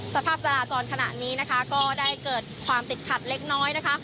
สภาพจราจรขณะนี้นะคะก็ได้เกิดความติดขัดเล็กน้อยนะคะ